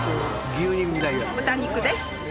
牛肉です。